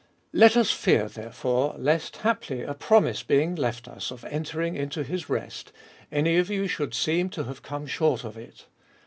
— 4. Let us fear therefore, lest haply a promise being left us of entering into his rest, any of you should seem to have come short of it.